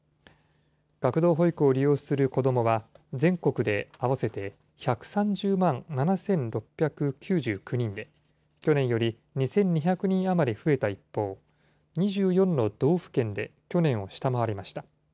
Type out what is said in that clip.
学童保育を利用する子どもは全国で合わせて１３０万７６９９人で、去年より２２００人余り増えた一方、２４の道府県で去年を下回りました。